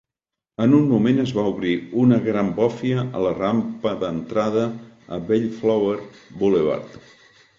En un moment es va obrir una gran bòfia a la rampa d'entrada a Bellflower Boulevard.